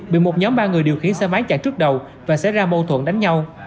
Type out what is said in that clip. bị một nhóm ba người điều khiến xe máy chạy trước đầu và xảy ra mâu thuận đánh nhau